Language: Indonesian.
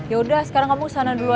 yaudah sekarang kamu sana dulu